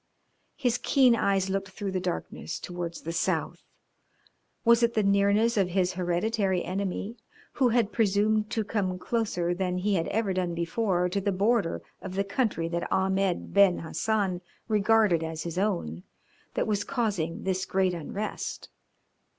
His keen eyes looked through the darkness towards the south. Was it the nearness of his hereditary enemy, who had presumed to come closer than he had ever done before to the border of the country that Ahmed Ben Hassan regarded as his own, that was causing this great unrest?